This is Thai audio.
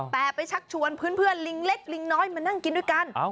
แต่ไปชักชวนเพื่อนลิงเล็กลิงน้อยมานั่งกินด้วยกัน